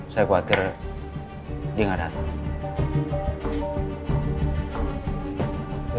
saya khawatir dia nggak datang